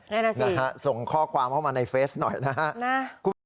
นั่นน่ะสินะฮะส่งข้อความเข้ามาในเฟซหน่อยนะฮะคุณผู้ชม